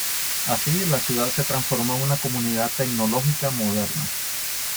Así la ciudad se transformó en una comunidad tecnológica moderna.